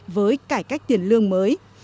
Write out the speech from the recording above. với cải cách tiền lương mới